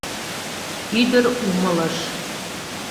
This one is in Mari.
Ӱдыр умылыш.